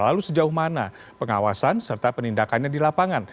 lalu sejauh mana pengawasan serta penindakannya di lapangan